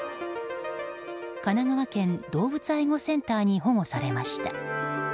神奈川県動物愛護センターに保護されました。